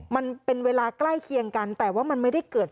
มันเป็นเวลาใกล้เคียงกันแต่ว่ามันไม่ได้เกิด